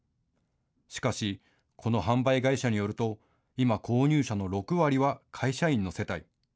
しかしこの販売会社によると今、購入者の６割は会社員の世帯。